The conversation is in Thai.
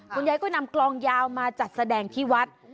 คุณยายก็นำกลองยาวมาจัดแสดงที่วัด